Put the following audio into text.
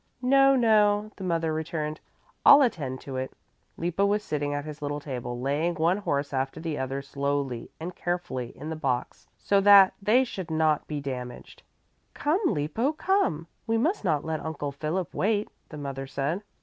"No, no," the mother returned. "I'll attend to it." Lippo was sitting at his little table, laying one horse after the other slowly and carefully in the box so that they should not be damaged. "Come, Lippo, come! We must not let Uncle Philip wait," the mother said.